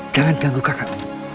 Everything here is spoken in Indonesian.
jangan ganggu kakak